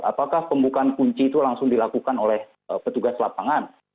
apakah pembukaan kunci itu langsung dilakukan oleh petugas lapangan